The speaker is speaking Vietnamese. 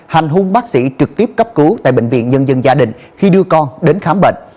hành hung bác sĩ trực tiếp cấp cứu tại bệnh viện nhân dân gia đình khi đưa con đến khám bệnh